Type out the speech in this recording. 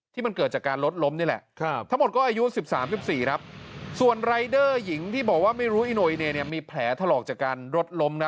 ที่มันเกิดจากการรถล้มนี่แหละทั้งหมดก็อายุ๑๓๑๔ครับส่วนรายเดอร์หญิงที่บอกว่าไม่รู้อีโนอิเนเนี่ยมีแผลถลอกจากการรถล้มนะ